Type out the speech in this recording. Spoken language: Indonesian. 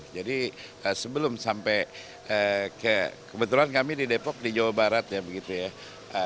jadi sebelum sampai kebetulan kami di depok di jawa barat ya begitu ya